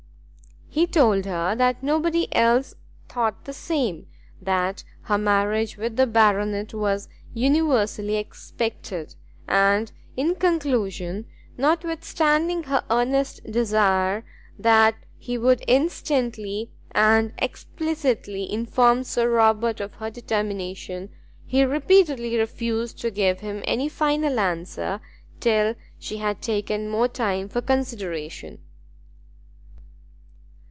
He told her that nobody else thought the same, that her marriage with the Baronet was universally expected, and, in conclusion, notwithstanding her earnest desire that he would instantly and explicitly inform Sir Robert of her determination, he repeatedly refused to give him any final answer till she had taken more time for consideration.